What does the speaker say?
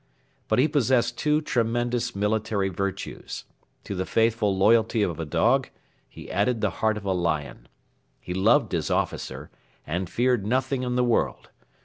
But he possessed two tremendous military virtues. To the faithful loyalty of a dog he added the heart of a lion. He loved his officer, and feared nothing in the world.